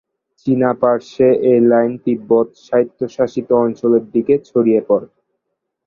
চীনা পার্শ্বে এই লাইন তিব্বত স্বায়ত্তশাসিত অঞ্চলের দিকে ছড়িয়ে পড়ে।